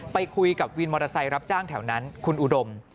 ไปคุยกับวินมอเตอร์ไซค์รับจ้างแถวนั้นคุณอุดม